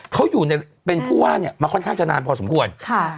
เขาอยู่ในเป็นผู้ว่าเนี่ยมาค่อนข้างจะนานพอสมควร